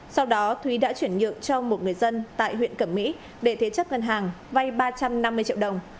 sau đó thúy đã chuyển nhượng cho một người dân tại huyện cẩm mỹ để thế chấp ngân hàng vay ba trăm năm mươi triệu đồng